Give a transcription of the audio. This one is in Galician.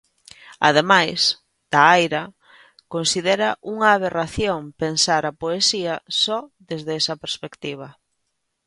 Ademais, Da Aira considera "unha aberración" pensar a poesía só desde esa perspectiva.